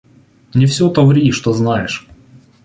– Не все то ври, что знаешь.